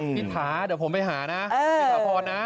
พี่ถาเดี๋ยวผมไปหานะพี่ถาพรนะ